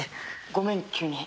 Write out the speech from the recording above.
ごめん急に。